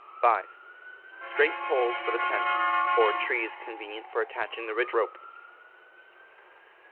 5. Straight poles for the tent, or trees convenient for attaching the ridge rope.